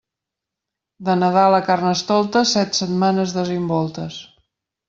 De Nadal a Carnestoltes, set setmanes desimboltes.